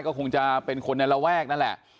ก็คงจะเป็นคนในระแวกนั่นแหละ